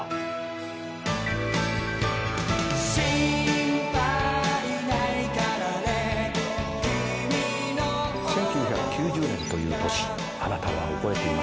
１９９０年という年あなたは覚えていますか？